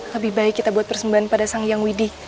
lebih baik kita buat persembahan pada sang yang widi